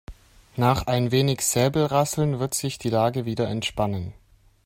Nach ein wenig Säbelrasseln wird sich die Lage wieder entspannen.